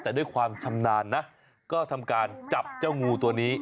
แต่ด้วยความชำนาญนะก็ทำการจับเจ้างูตัวนี้